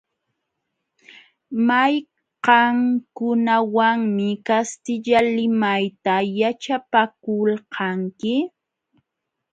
¿Mayqankunawanmi kastilla limayta yaćhapakulqanki?